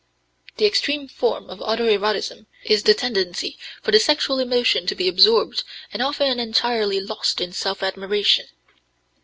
" The extreme form of auto erotism is the tendency for the sexual emotion to be absorbed and often entirely lost in self admiration.